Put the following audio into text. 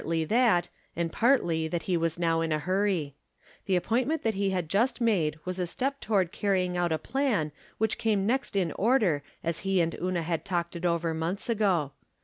Partly that, and partly that he was now in a hurry. The appointment he had just made was a step toward carrying out a plan which came next in order as he and Una had talked it over months ago.